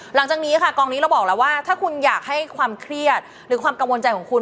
หลังจากนี้ค่ะกองนี้เราบอกแล้วว่าถ้าคุณอยากให้ความเครียดหรือความกังวลใจของคุณ